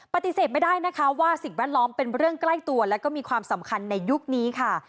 ปฏิเสธไม่ได้นะคะว่าสิ่งแวดล้อมเป็นเรื่องใกล้ตัวแล้วก็มีความสำคัญในยุคนี้ค่ะ